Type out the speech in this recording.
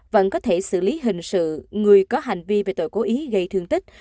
vẫn có thể xử lý hình sự người có hành vi về tội cố ý gây thương tích